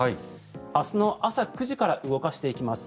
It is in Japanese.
明日の朝９時から動かしていきます。